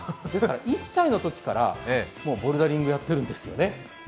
１歳のときから、もうボルダリングやっているんですよね。